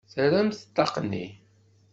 Derrɛemt ṭṭaq-nni!